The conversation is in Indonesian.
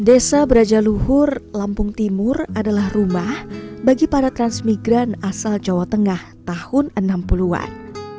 desa berajaluhur lampung timur adalah rumah bagi para transmigran asal jawa tengah tahun enam puluh an